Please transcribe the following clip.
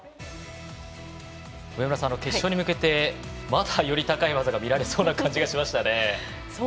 上村さん、決勝に向けてまだより高い技が見られそうな感じがしましたね。